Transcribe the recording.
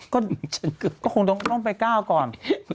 ก็คงต้องไปก้าวก่อน